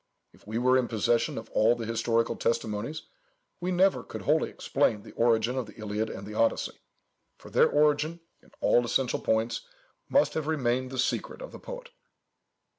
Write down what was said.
If we were in possession of all the historical testimonies, we never could wholly explain the origin of the Iliad and the Odyssey; for their origin, in all essential points, must have remained the secret of the poet."